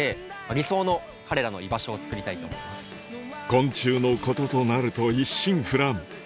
昆虫のこととなると一心不乱